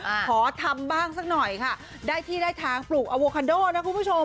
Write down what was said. ขอทำบ้างสักหน่อยค่ะได้ที่ได้ทางปลูกอโวคาโดนะคุณผู้ชม